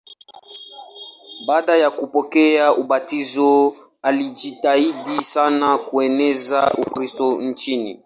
Baada ya kupokea ubatizo alijitahidi sana kueneza Ukristo nchini.